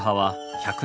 １００年